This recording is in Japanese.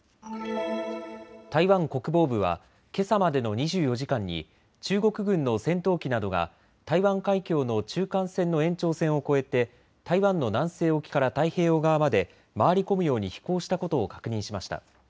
台湾国防部はけさまでの２４時間に中国軍の戦闘機などが台湾海峡の中間線の延長線を越えて台湾の南西沖から太平洋側まで回り込むように飛行したことを確認しました。